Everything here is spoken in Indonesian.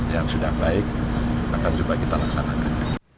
yang sudah baik akan coba kita laksanakan